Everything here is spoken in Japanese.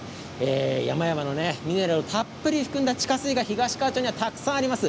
山々のミネラルをたっぷり含んだ地下水が東川町にはたくさんあります。